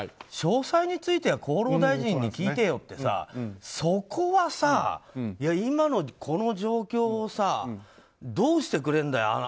詳細については厚労大臣に聞いてよってさそこはさ、今のこの状況をどうしてくれるんだよ